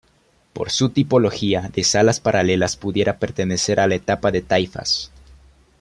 Por su tipología de salas paralelas pudiera pertenecer a la etapa de Taifas.